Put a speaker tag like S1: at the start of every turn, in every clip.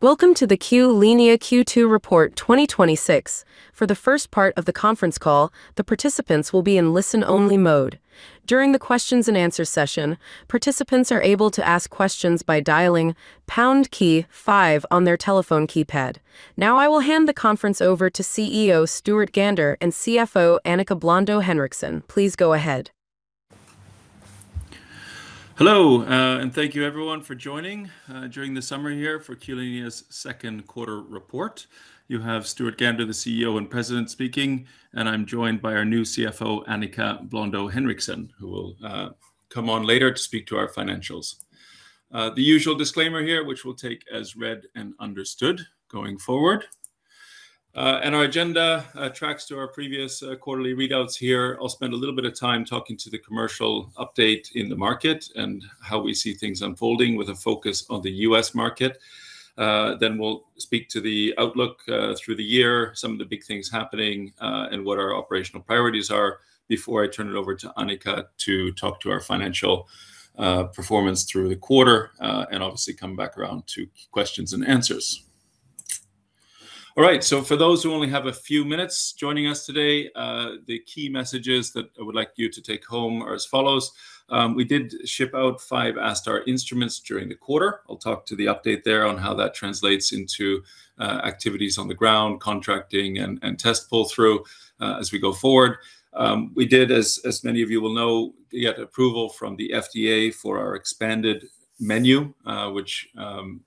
S1: Welcome to the Q-linea Q2 report 2026. For the first part of the conference call, the participants will be in listen-only mode. During the questions and answers session, participants are able to ask questions by dialing pound key five on their telephone keypad. Now I will hand the conference over to CEO Stuart Gander and CFO Annika Blondeau Henriksson. Please go ahead.
S2: Hello. Thank you everyone for joining during the summer here for Q-linea's second quarter report. You have Stuart Gander, the CEO and President speaking, and I'm joined by our new CFO, Annika Blondeau Henriksson, who will come on later to speak to our financials. The usual disclaimer here, which we'll take as read and understood going forward. Our agenda tracks to our previous quarterly readouts here. I'll spend a little bit of time talking to the commercial update in the market and how we see things unfolding with a focus on the U.S. market. Then we'll speak to the outlook through the year, some of the big things happening, and what our operational priorities are before I turn it over to Annika to talk to our financial performance through the quarter, and obviously come back around to questions and answers. All right. For those who only have a few minutes joining us today, the key messages that I would like you to take home are as follows. We did ship out five ASTar instruments during the quarter. I'll talk to the update there on how that translates into activities on the ground, contracting, and test pull-through, as we go forward. We did, as many of you will know, get approval from the FDA for our expanded menu, which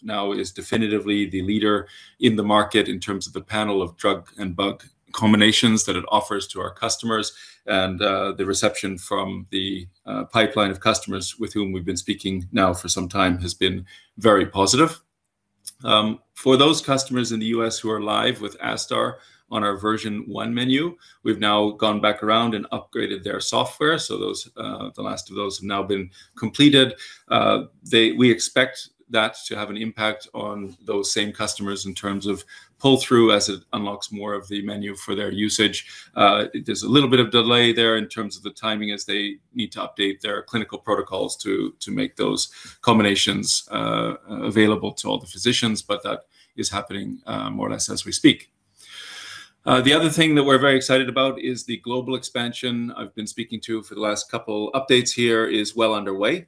S2: now is definitively the leader in the market in terms of the panel of drug and bug combinations that it offers to our customers, and the reception from the pipeline of customers with whom we've been speaking now for some time has been very positive. For those customers in the U.S. who are live with ASTar on our version one menu, we've now gone back around and upgraded their software. The last of those have now been completed. We expect that to have an impact on those same customers in terms of pull-through as it unlocks more of the menu for their usage. There's a little bit of delay there in terms of the timing as they need to update their clinical protocols to make those combinations available to all the physicians, but that is happening more or less as we speak. The other thing that we're very excited about is the global expansion I've been speaking to for the last couple updates here is well underway.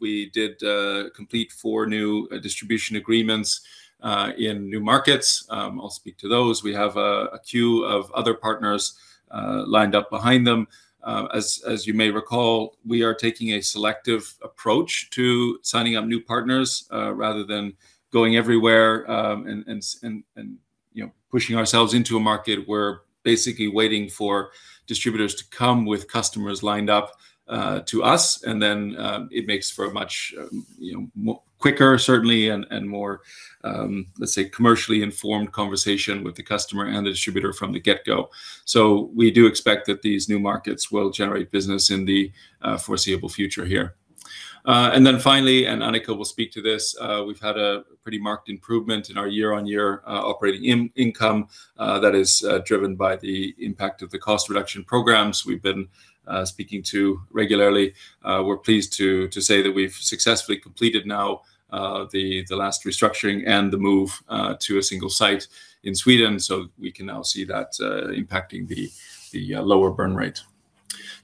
S2: We did complete four new distribution agreements, in new markets. I'll speak to those. We have a queue of other partners lined up behind them. As you may recall, we are taking a selective approach to signing up new partners, rather than going everywhere, and pushing ourselves into a market. We're basically waiting for distributors to come with customers lined up to us, it makes for a much quicker certainly and more, let's say, commercially informed conversation with the customer and the distributor from the get-go. We do expect that these new markets will generate business in the foreseeable future here. Finally, Annika will speak to this, we've had a pretty marked improvement in our year-on-year operating income, that is driven by the impact of the cost reduction programs we've been speaking to regularly. We're pleased to say that we've successfully completed now the last restructuring and the move to a single site in Sweden. We can now see that impacting the lower burn rate.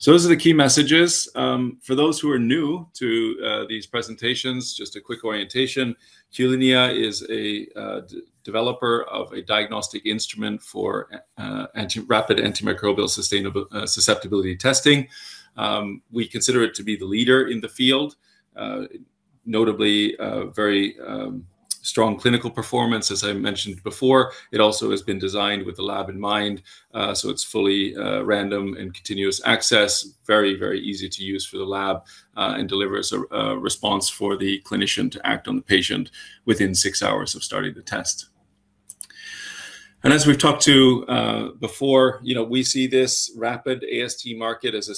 S2: Those are the key messages. For those who are new to these presentations, just a quick orientation. Q-linea is a developer of a diagnostic instrument for rapid antimicrobial susceptibility testing. We consider it to be the leader in the field. Notably, very strong clinical performance, as I mentioned before. It also has been designed with the lab in mind. It's fully random and continuous access, very easy to use for the lab, and delivers a response for the clinician to act on the patient within six hours of starting the test. As we've talked to before, we see this rapid AST market as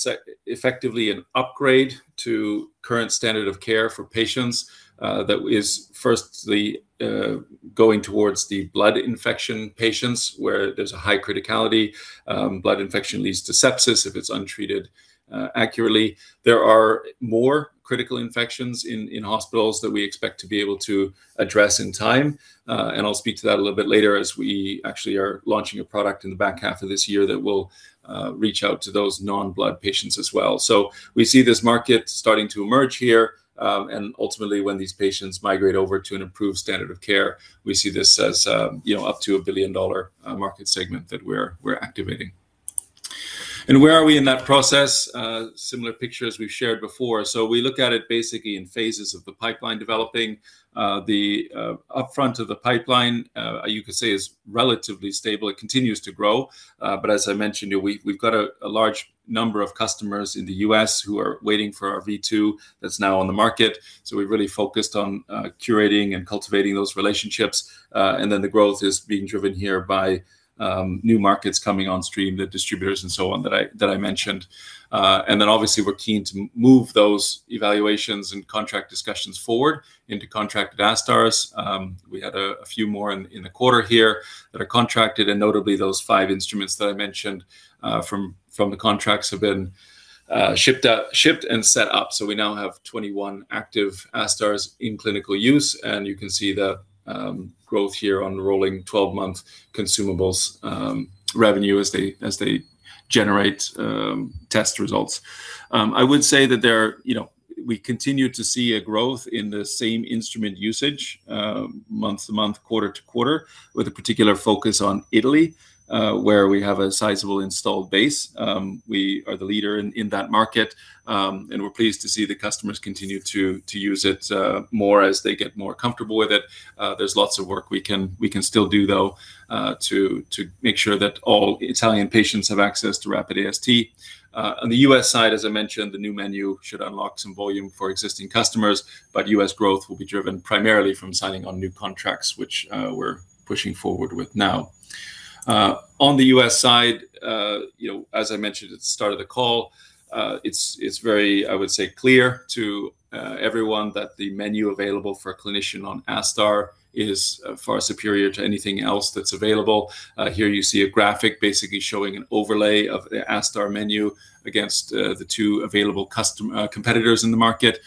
S2: effectively an upgrade to current standard of care for patients, that is firstly, going towards the blood infection patients, where there's a high criticality. Blood infection leads to sepsis if it's untreated accurately. There are more critical infections in hospitals that we expect to be able to address in time. I'll speak to that a little bit later as we actually are launching a product in the back half of this year that will reach out to those non-blood patients as well. We see this market starting to emerge here, and ultimately when these patients migrate over to an improved standard of care, we see this as up to a billion-dollar market segment that we're activating. Where are we in that process? Similar picture as we've shared before. We look at it basically in phases of the pipeline developing. The upfront of the pipeline, you could say is relatively stable. It continues to grow. As I mentioned, we've got a large number of customers in the U.S. who are waiting for our V2 that's now on the market. We're really focused on curating and cultivating those relationships. The growth is being driven here by new markets coming on stream, the distributors and so on that I mentioned. Obviously, we're keen to move those evaluations and contract discussions forward into contracted ASTars. We had a few more in the quarter here that are contracted, and notably, those five instruments that I mentioned, from the contracts have been shipped and set up. We now have 21 active ASTars in clinical use, and you can see the growth here on rolling 12 month consumables revenue as they generate test results. We continue to see a growth in the same instrument usage month-to-month, quarter-to-quarter, with a particular focus on Italy, where we have a sizable installed base. We are the leader in that market, we're pleased to see the customers continue to use it more as they get more comfortable with it. There's lots of work we can still do, though, to make sure that all Italian patients have access to rapid AST. On the U.S. side, as I mentioned, the new menu should unlock some volume for existing customers, but U.S. growth will be driven primarily from signing on new contracts, which we're pushing forward with now. On the U.S. side, as I mentioned at the start of the call, it's very clear to everyone that the menu available for a clinician on ASTar is far superior to anything else that's available. Here you see a graphic basically showing an overlay of the ASTar menu against the two available competitors in the market,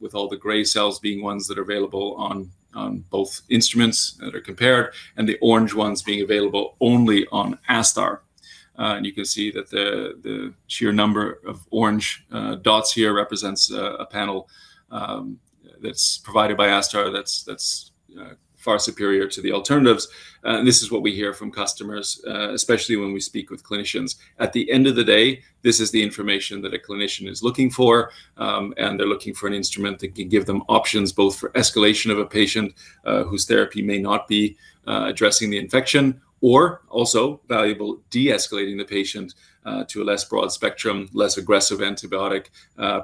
S2: with all the gray cells being ones that are available on both instruments that are compared, and the orange ones being available only on ASTar. You can see that the sheer number of orange dots here represents a panel that's provided by ASTar that's far superior to the alternatives. This is what we hear from customers, especially when we speak with clinicians. At the end of the day, this is the information that a clinician is looking for, and they're looking for an instrument that can give them options both for escalation of a patient whose therapy may not be addressing the infection, or also valuable de-escalating the patient to a less broad-spectrum, less aggressive antibiotic,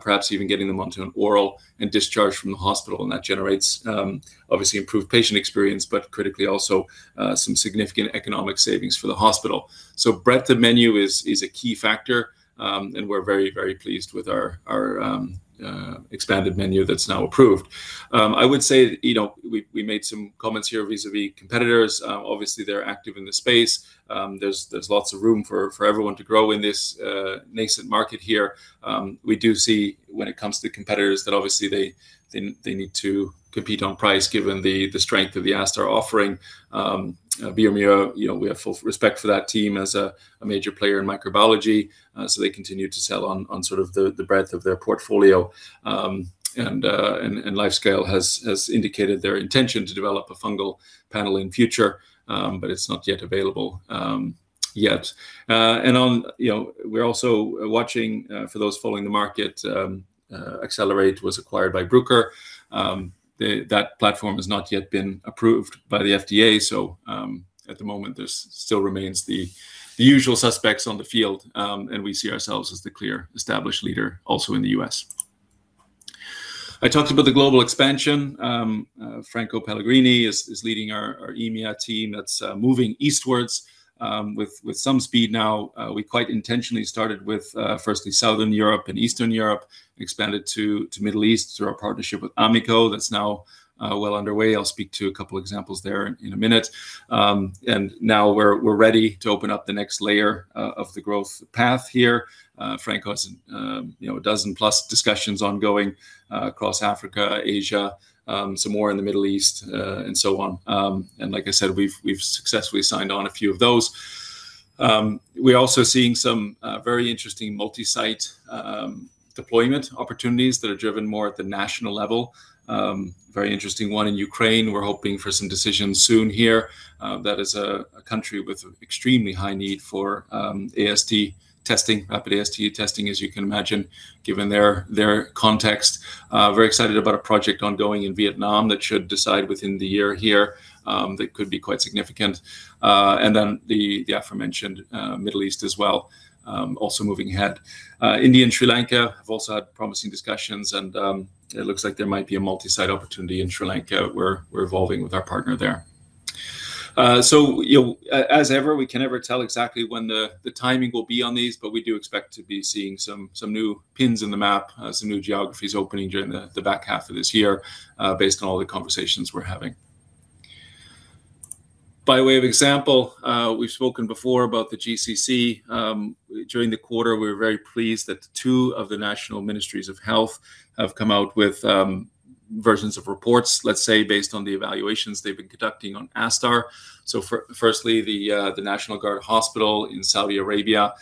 S2: perhaps even getting them onto an oral and discharge from the hospital. That generates, obviously, improved patient experience, but critically also some significant economic savings for the hospital. Breadth of menu is a key factor, and we're very, very pleased with our expanded menu that's now approved. I would say we made some comments here vis-a-vis competitors. Obviously, they're active in the space. There's lots of room for everyone to grow in this nascent market here. We do see when it comes to competitors that obviously they need to compete on price given the strength of the ASTar offering. bioMérieux, we have full respect for that team as a major player in microbiology. They continue to sell on the breadth of their portfolio. LifeScale has indicated their intention to develop a fungal panel in future, but it's not yet available. We're also watching for those following the market. Accelerate was acquired by Bruker. That platform has not yet been approved by the FDA, so at the moment, this still remains the usual suspects on the field, and we see ourselves as the clear established leader also in the U.S. I talked about the global expansion. Franco Pellegrini is leading our EMEA team that's moving eastwards with some speed now. We quite intentionally started with firstly Southern Europe and Eastern Europe, expanded to Middle East through our partnership with AMICO that's now well underway. I'll speak to a couple examples there in a minute. Now we're ready to open up the next layer of the growth path here. Franco has a dozen plus discussions ongoing across Africa, Asia, some more in the Middle East, and so on. Like I said, we've successfully signed on a few of those. We're also seeing some very interesting multi-site deployment opportunities that are driven more at the national level. Very interesting one in Ukraine. We're hoping for some decisions soon here. That is a country with extremely high need for rapid AST testing, as you can imagine, given their context. Very excited about a project ongoing in Vietnam that should decide within the year here that could be quite significant. The aforementioned Middle East as well, also moving ahead. India and Sri Lanka have also had promising discussions, and it looks like there might be a multi-site opportunity in Sri Lanka. We're evolving with our partner there. As ever, we can never tell exactly when the timing will be on these, but we do expect to be seeing some new pins in the map, some new geographies opening during the back half of this year based on all the conversations we're having. By way of example, we've spoken before about the GCC. During the quarter, we were very pleased that two of the national ministries of health have come out with versions of reports, let's say, based on the evaluations they've been conducting on ASTar. Firstly, the National Guard Hospital in Saudi Arabia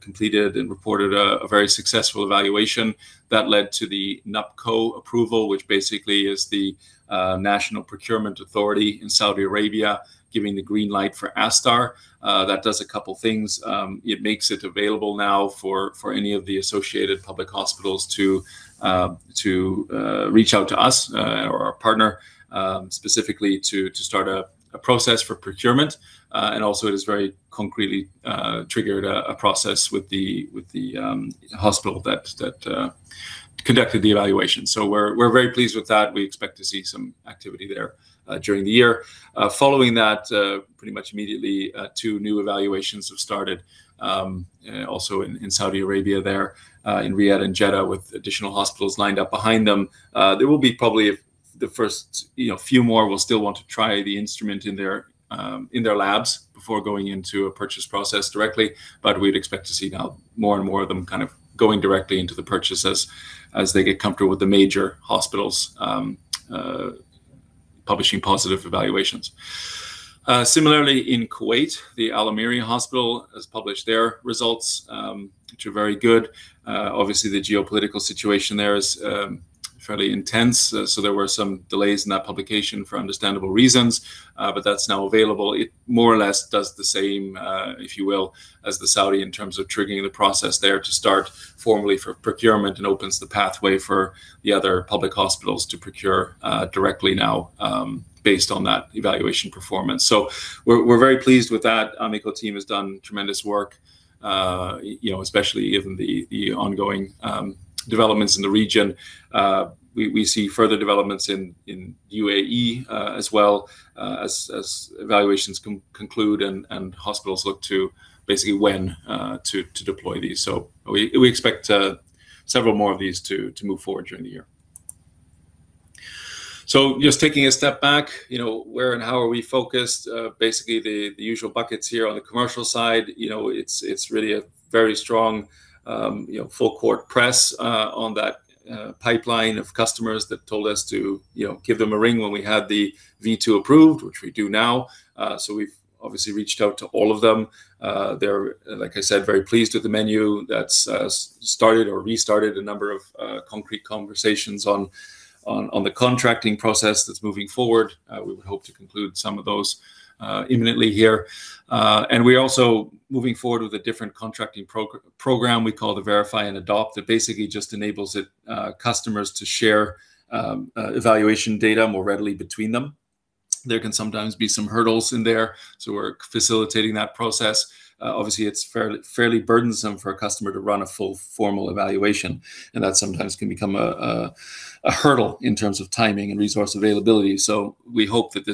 S2: completed and reported a very successful evaluation that led to the NUPCO approval, which basically is the National Procurement Authority in Saudi Arabia, giving the green light for ASTar. That does a couple things. It makes it available now for any of the associated public hospitals to reach out to us or our partner specifically to start a process for procurement. Also, it has very concretely triggered a process with the hospital that conducted the evaluation. We're very pleased with that. We expect to see some activity there during the year. Following that, pretty much immediately, two new evaluations have started also in Saudi Arabia there in Riyadh and Jeddah, with additional hospitals lined up behind them. There will be probably the first few more will still want to try the instrument in their labs before going into a purchase process directly. We'd expect to see now more and more of them kind of going directly into the purchases as they get comfortable with the major hospitals publishing positive evaluations. Similarly, in Kuwait, the Al-Amiri Hospital has published their results, which are very good. Obviously, the geopolitical situation there is fairly intense, so there were some delays in that publication for understandable reasons, but that's now available. It more or less does the same, if you will, as the Saudi in terms of triggering the process there to start formally for procurement and opens the pathway for the other public hospitals to procure directly now based on that evaluation performance. We're very pleased with that. AMICO team has done tremendous work, especially given the ongoing developments in the region. We see further developments in UAE as well as evaluations conclude and hospitals look to basically when to deploy these. We expect several more of these to move forward during the year. Just taking a step back, where and how are we focused? Basically, the usual buckets here on the commercial side, it's really a very strong full-court press on that pipeline of customers that told us to give them a ring when we had the V2 approved, which we do now. We've obviously reached out to all of them. They're, like I said, very pleased with the menu. That's started or restarted a number of concrete conversations on the contracting process that's moving forward. We would hope to conclude some of those imminently here. We're also moving forward with a different contracting program we call the Verify and Adopt, that basically just enables customers to share evaluation data more readily between them. There can sometimes be some hurdles in there, so we're facilitating that process. Obviously, it's fairly burdensome for a customer to run a full formal evaluation, and that sometimes can become a hurdle in terms of timing and resource availability. We hope that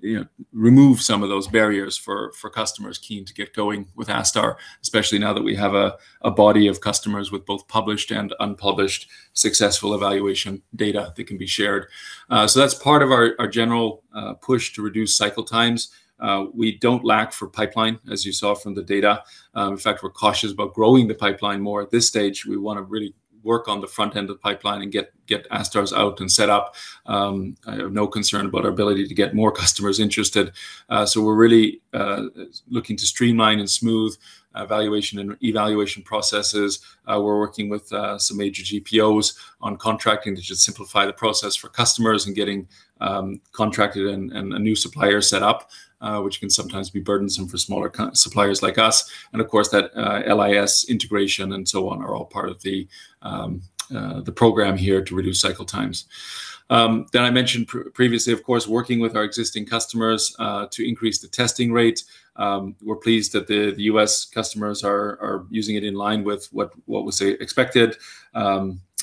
S2: this will remove some of those barriers for customers keen to get going with ASTar, especially now that we have a body of customers with both published and unpublished successful evaluation data that can be shared. That's part of our general push to reduce cycle times. We don't lack for pipeline, as you saw from the data. In fact, we're cautious about growing the pipeline more at this stage. We want to really work on the front end of the pipeline and get ASTars out and set up. I have no concern about our ability to get more customers interested. We're really looking to streamline and smooth evaluation and evaluation processes. We're working with some major GPOs on contracting to just simplify the process for customers and getting contracted and a new supplier set up, which can sometimes be burdensome for smaller suppliers like us. Of course, that LIS integration and so on are all part of the program here to reduce cycle times. I mentioned previously, of course, working with our existing customers to increase the testing rate. We're pleased that the U.S. customers are using it in line with what was expected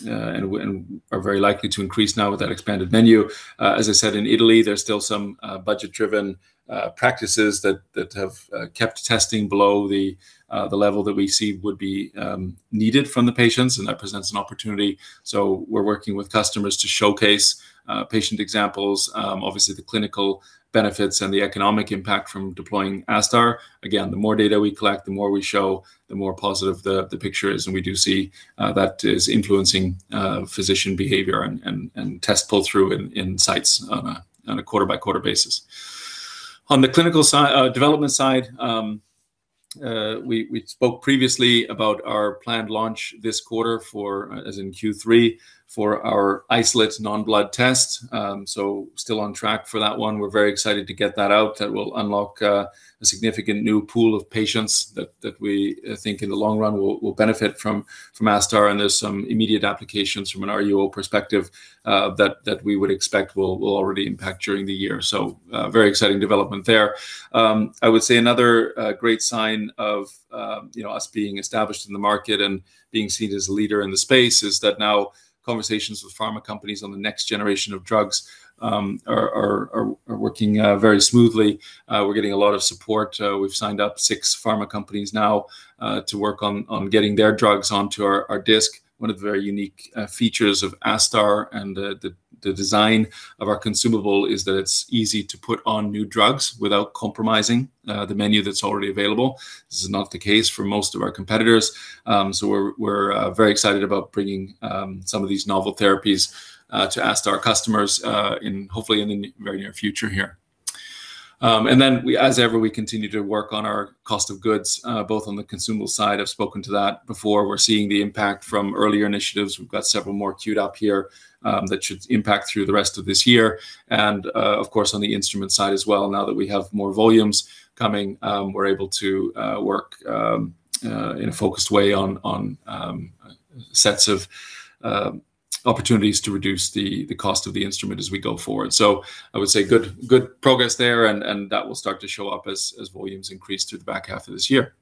S2: and are very likely to increase now with that expanded menu. As I said, in Italy, there's still some budget-driven practices that have kept testing below the level that we see would be needed from the patients, and that presents an opportunity. We're working with customers to showcase patient examples. Obviously, the clinical benefits and the economic impact from deploying ASTar. Again, the more data we collect, the more we show, the more positive the picture is. We do see that is influencing physician behavior and test pull-through in sites on a quarter-by-quarter basis. On the clinical development side, we spoke previously about our planned launch this quarter, as in Q3, for our isolate non-blood test. Still on track for that one. We're very excited to get that out. That will unlock a significant new pool of patients that we think in the long run will benefit from ASTar, and there's some immediate applications from an RUO perspective that we would expect will already impact during the year. A very exciting development there. I would say another great sign of us being established in the market and being seen as a leader in the space is that now conversations with pharma companies on the next generation of drugs are working very smoothly. We're getting a lot of support. We've signed up six pharma companies now to work on getting their drugs onto our disk. One of the very unique features of ASTar and the design of our consumable is that it's easy to put on new drugs without compromising the menu that's already available. This is not the case for most of our competitors. We're very excited about bringing some of these novel therapies to ASTar customers hopefully in the very near future here. As ever, we continue to work on our cost of goods both on the consumable side. I've spoken to that before. We're seeing the impact from earlier initiatives. We've got several more queued up here that should impact through the rest of this year. On the instrument side as well, now that we have more volumes coming, we're able to work in a focused way on sets of opportunities to reduce the cost of the instrument as we go forward. I would say good progress there, and that will start to show up as volumes increase through the back half of this year.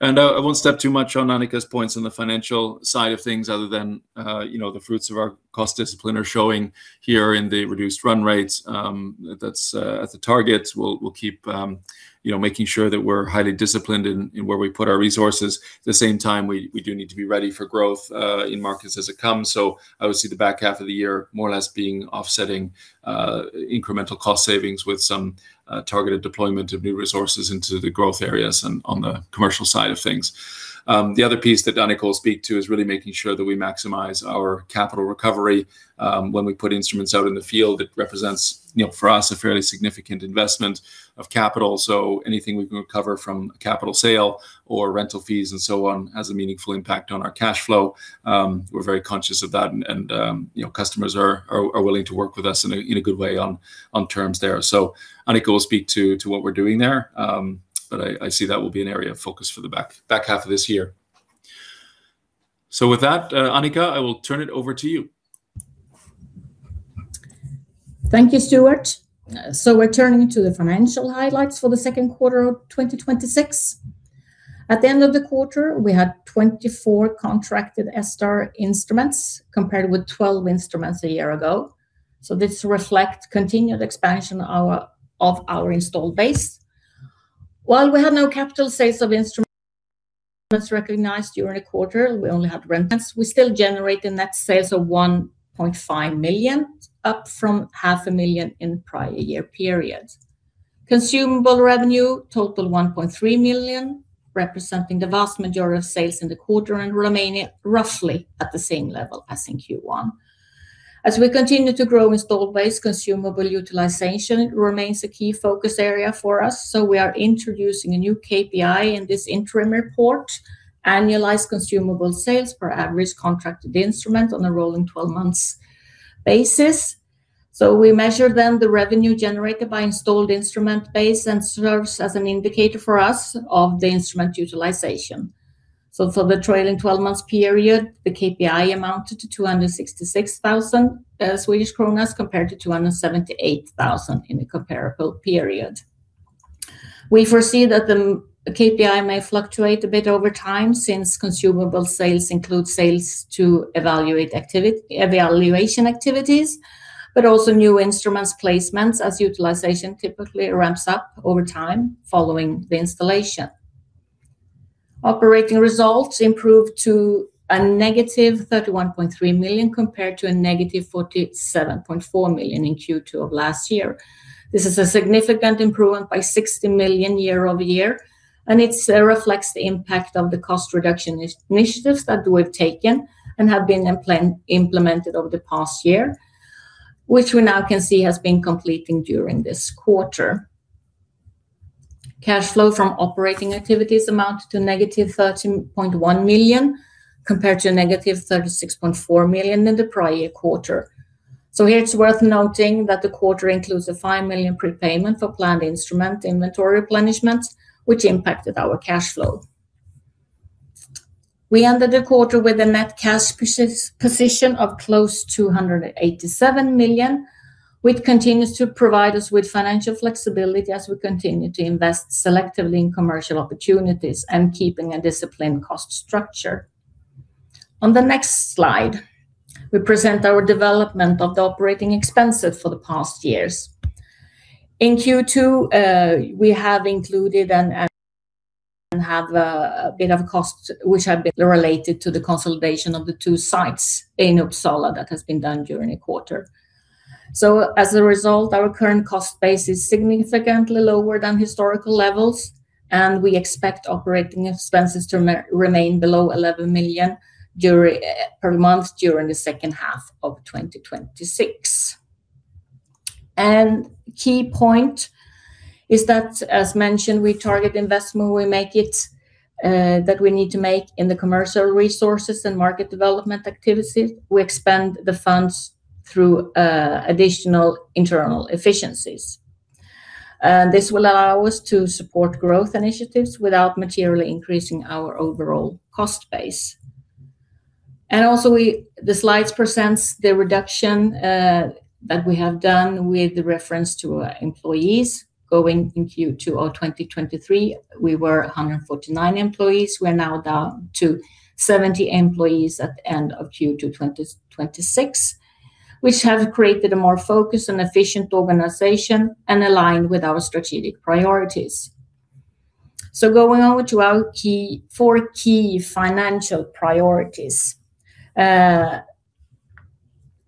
S2: I won't step too much on Annika's points on the financial side of things other than the fruits of our cost discipline are showing here in the reduced run rates. That's at the targets. We'll keep making sure that we're highly disciplined in where we put our resources. At the same time, we do need to be ready for growth in markets as it comes. I would see the back half of the year more or less being offsetting incremental cost savings with some targeted deployment of new resources into the growth areas on the commercial side of things. The other piece that Annika will speak to is really making sure that we maximize our capital recovery. When we put instruments out in the field, it represents, for us, a fairly significant investment of capital. Anything we can recover from a capital sale or rental fees and so on has a meaningful impact on our cash flow. We're very conscious of that, and customers are willing to work with us in a good way on terms there. Annika will speak to what we're doing there. I see that will be an area of focus for the back half of this year. With that, Annika, I will turn it over to you.
S3: Thank you, Stuart. We're turning to the financial highlights for the second quarter of 2026. At the end of the quarter, we had 24 contracted ASTar instruments, compared with 12 instruments a year ago. This reflects continued expansion of our installed base. While we have no capital sales of instruments recognized during the quarter, we only had rents, we still generated net sales of 1.5 million, up from 500,000 in the prior year period. Consumable revenue totaled 1.3 million, representing the vast majority of sales in the quarter and remaining roughly at the same level as in Q1. As we continue to grow installed base, consumable utilization remains a key focus area for us, we are introducing a new KPI in this interim report, annualized consumable sales per average contracted instrument on a rolling 12 months basis. We measure then the revenue generated by installed instrument base and serves as an indicator for us of the instrument utilization. For the trailing 12 months period, the KPI amounted to 266,000 Swedish kronor, as compared to 278,000 in the comparable period. We foresee that the KPI may fluctuate a bit over time, since consumable sales include sales to evaluation activities, but also new instruments placements as utilization typically ramps up over time following the installation. Operating results improved to a -31.3 million, compared to a -47.4 million in Q2 of last year. This is a significant improvement by 16 million year-over-year, it reflects the impact of the cost reduction initiatives that we've taken and have been implemented over the past year, which we now can see has been completing during this quarter. Cash flow from operating activities amounted to -13.1 million, compared to -36.4 million in the prior quarter. Here it's worth noting that the quarter includes a 5 million prepayment for planned instrument inventory replenishment, which impacted our cash flow. We ended the quarter with a net cash position of close to 187 million, which continues to provide us with financial flexibility as we continue to invest selectively in commercial opportunities and keeping a disciplined cost structure. On the next slide, we present our development of the operating expenses for the past years. In Q2, we have included and have a bit of costs which have been related to the consolidation of the two sites in Uppsala that has been done during the quarter. As a result, our current cost base is significantly lower than historical levels, and we expect operating expenses to remain below 11 million per month during the second half of 2026. Key point is that, as mentioned, we target investment that we need to make in the commercial resources and market development activities. We expand the funds through additional internal efficiencies. This will allow us to support growth initiatives without materially increasing our overall cost base. Also, the slides presents the reduction that we have done with reference to our employees. Going in Q2 of 2023, we were 149 employees. We're now down to 70 employees at the end of Q2 2026, which has created a more focused and efficient organization and aligned with our strategic priorities. Going on to our four key financial priorities.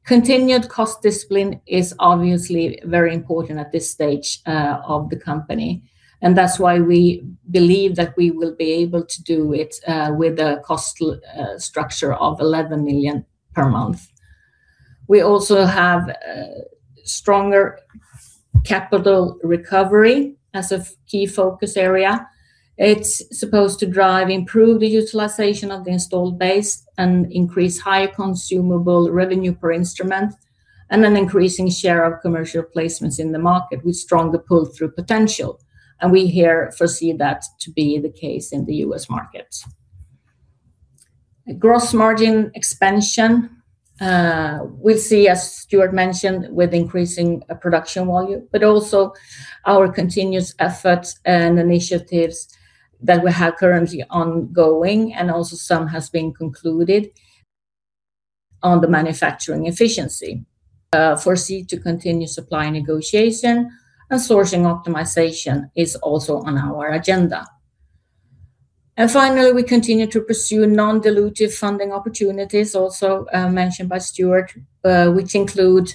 S3: Continued cost discipline is obviously very important at this stage of the company, and that's why we believe that we will be able to do it with a cost structure of 11 million per month. We also have stronger capital recovery as a key focus area. It's supposed to drive improved utilization of the installed base and increase higher consumable revenue per instrument, and an increasing share of commercial placements in the market with stronger pull-through potential. We here foresee that to be the case in the U.S. market. Gross margin expansion, we see, as Stuart mentioned, with increasing production volume, also our continuous efforts and initiatives that we have currently ongoing, and also some has been concluded on the manufacturing efficiency. Foresee to continue supply negotiation and sourcing optimization is also on our agenda. Finally, we continue to pursue non-dilutive funding opportunities, also mentioned by Stuart, which include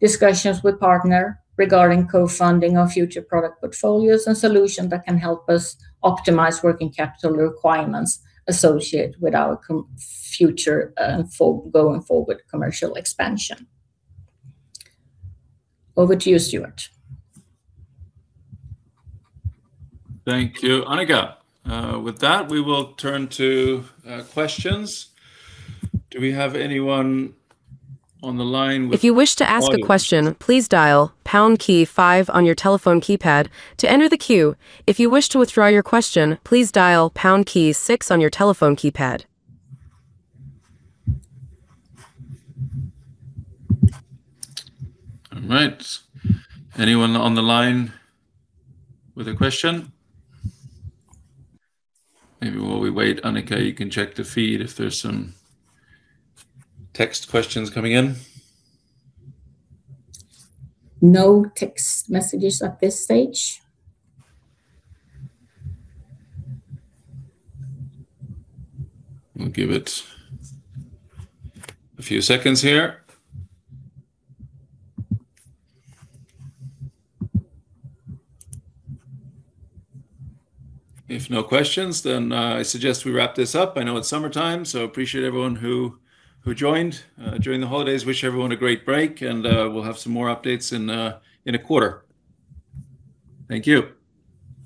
S3: discussions with partner regarding co-funding of future product portfolios and solution that can help us optimize working capital requirements associated with our future going forward commercial expansion. Over to you, Stuart.
S2: Thank you, Annika. With that, we will turn to questions. Do we have anyone on the line?
S1: If you wish to ask a question, please dial pound key five on your telephone keypad to enter the queue. If you wish to withdraw your question, please dial pound key six on your telephone keypad.
S2: All right. Anyone on the line with a question? Maybe while we wait, Annika, you can check the feed if there's some text questions coming in.
S3: No text messages at this stage.
S2: I'll give it a few seconds here. If no questions, I suggest we wrap this up. I know it's summertime, appreciate everyone who joined during the holidays. Wish everyone a great break, we'll have some more updates in a quarter. Thank you.